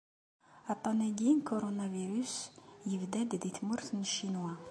Aṭṭan-agi n Kuṛunavirus yebda-d di tmurt n ccinwa.